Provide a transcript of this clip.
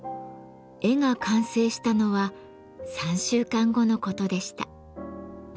絵が完成したのは３週間後のことでした。